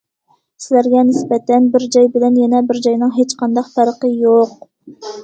سىلەرگە نىسبەتەن، بىر جاي بىلەن يەنە بىر جاينىڭ ھېچقانداق پەرقى يوق.